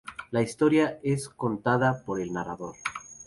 La historia es contada por el narrador...